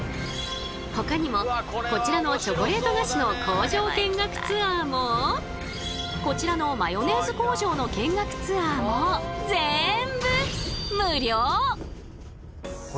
ほかにもこちらのチョコレート菓子の工場見学ツアーもこちらのマヨネーズ工場の見学ツアーもぜんぶ無料！